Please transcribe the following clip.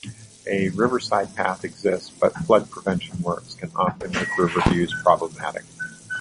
A riverside path exists, but flood prevention works can often make river views problematic.